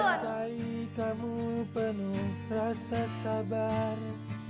cintai kamu penuh rasa sabar